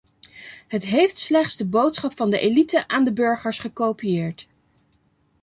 Het heeft slechts de boodschap van de elite aan de burgers gekopieerd.